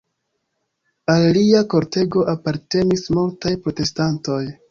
Al lia kortego apartenis multaj protestantoj.